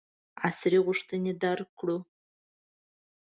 عصر غوښتنې درک کړو.